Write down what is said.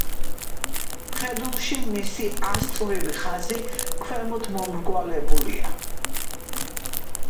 მხედრულში მისი ასწვრივი ხაზი ქვემოთ მომრგვალებულია.